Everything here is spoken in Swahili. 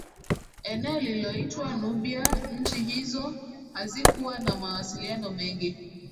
eneo lililoitwa Nubia Nchi hizo hazikuwa na mawasiliano mengi